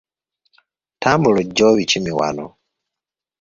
Tambula ojje obikime wano.